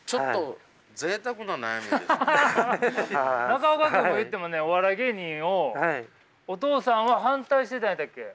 中岡君も言ってもねお笑い芸人をお父さんは反対してたんやったっけ？